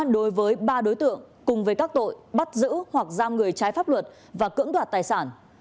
đối với ba đối tượng cùng với các tội bắt giữ hoặc giam người trái pháp luật và cưỡng đoạt tài sản